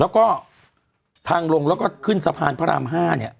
แล้วก็ทางลงแล้วก็ขึ้นสะพานพระราม๕เนี่ย